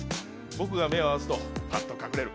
僕が目を合わすとパッと隠れる。